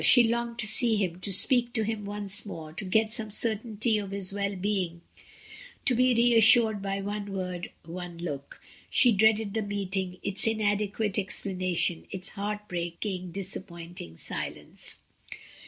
She longed to see him, to speak to him once more, to get some certainty of his well being, to be r^ assured by one word, one look. She dreaded the meeting, its inadequate explanation, its heart break ing, disappointing silence.